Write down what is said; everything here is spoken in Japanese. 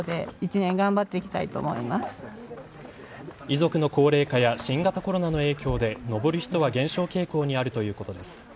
遺族の高齢化や新型コロナの影響で登る人は減少傾向にあるということです。